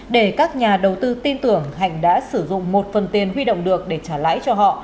để các nhà đầu tư tin tưởng hạnh đã sử dụng một phần tiền huy động được để trả lãi cho họ